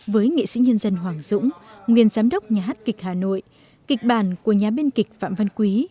với nghệ sĩ nhân dân hoàng dũng nguyên giám đốc nhà hát kịch hà nội kịch bản của nhà biên kịch phạm văn quý